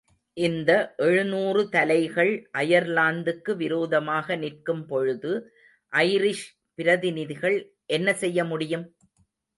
இந்த எழுநூறு தலைகள் அயர்லாந்துக்கு விரோதமாக நிற்கும் பொழுது, ஐரிஷ் பிரதிநிதிகள் என்ன செய்ய முடியும்?